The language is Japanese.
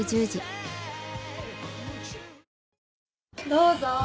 どうぞ。